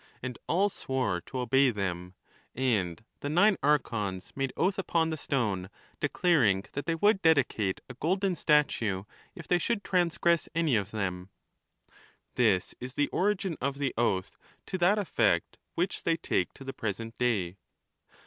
rr and all swore to obey them ; and the nine Archons made oath upon the stone, 1 de claring that they would dedicate a golden statue if they should transgress any of them. This is the origin of the oath to that effect which they take to the present day.